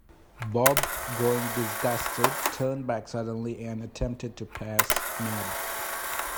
Bob, growing disgusted, turned back suddenly and attempted to pass Mab.